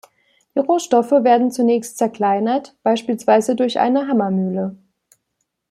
Die Rohstoffe werden zunächst zerkleinert, beispielsweise durch eine Hammermühle.